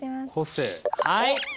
はい。